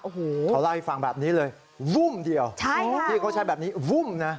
เขาเล่าให้ฟังแบบนี่เลยวู๊มเดียวพี่ก็ใช้แบบนี้วู๊มนะ